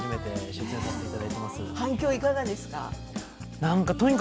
反響はいかがですか？